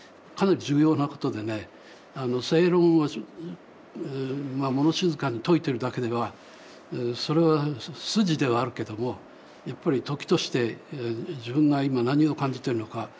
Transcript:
かなり重要なことでね正論を物静かに説いてるだけではそれは筋ではあるけどもやっぱり時として自分が今何を感じてるのか